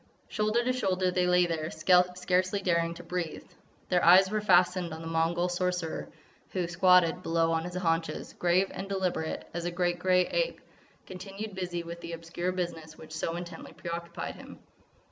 Shoulder to shoulder they lay there, scarcely daring to breathe. Their eyes were fastened on the Mongol Sorcerer, who, squatted below on his haunches, grave and deliberate as a great grey ape, continued busy with the obscure business which so intently preoccupied him.